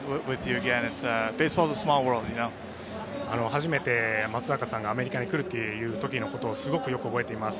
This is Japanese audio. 初めて松坂さんがアメリカに来るという時のことをすごくよく覚えています。